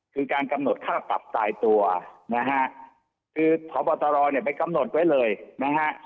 คือการกำหนดค่าปรับตายตัวนะฮะคือพบตรเนี่ยไปกำหนดไว้เลยนะฮะ